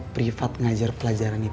privat ngajar pelajaran ips